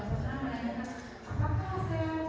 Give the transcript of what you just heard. misalnya harus memposting